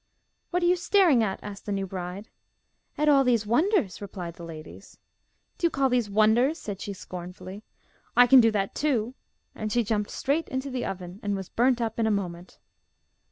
'What are you staring at?' asked the new bride. 'At all these wonders,' replied the ladies. 'Do you call these wonders?' said she scornfully; 'I can do that too,' and she jumped straight into the oven, and was burnt up in a moment.